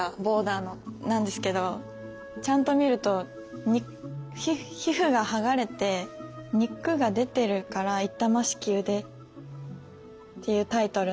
なんですけどちゃんと見ると皮膚が剥がれて肉が出てるから「傷ましき腕」っていうタイトルなんですね。